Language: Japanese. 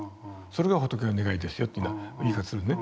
それが仏の願いですよというような言い方をするのね。